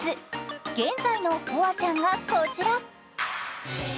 現在のほあちゃんがこちら。